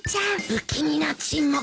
不気味な沈黙。